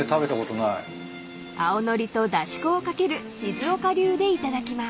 ［青のりとだし粉を掛ける静岡流で頂きます］